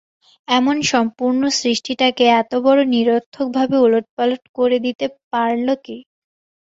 এমন সম্পূর্ণ সৃষ্টিটাকে এতবড়ো নিরর্থকভাবে উলটপালট করে দিতে পারলে কে।